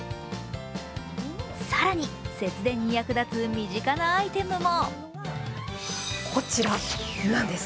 更に、節電に役立つ身近なアイテムも。